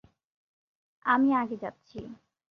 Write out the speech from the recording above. আমি আগে যাচ্ছি।